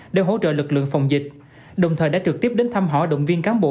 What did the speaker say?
để hỗ trợ lực lượng phòng dịch đồng thời đã trực tiếp đến thăm hỏi động viên cán bộ